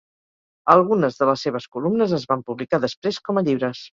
Algunes de les seves columnes es van publicar després com a llibres.